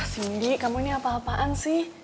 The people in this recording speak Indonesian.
cindy kamu ini apa apaan sih